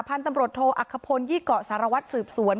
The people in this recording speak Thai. พันธุ์ตำรวจโทอักขพลยี่เกาะสารวัตรสืบสวน